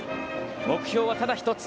目標は、ただ一つ。